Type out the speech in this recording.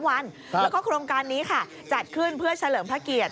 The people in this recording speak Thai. แล้วก็โครงการนี้ค่ะจัดขึ้นเพื่อเฉลิมพระเกียรติ